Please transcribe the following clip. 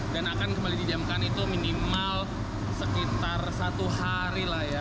dan akan kembali didiamkan itu minimal sekitar satu hari lah ya